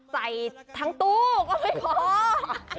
ใส่ทั้งตู้ก็ไม่พอ